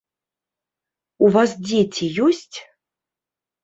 У вас дзеці ёсць?